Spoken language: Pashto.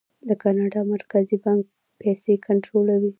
د کاناډا مرکزي بانک پیسې کنټرولوي.